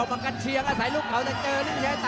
เป็นเกมที่สนุกดูเดือนเหลือเกินครับ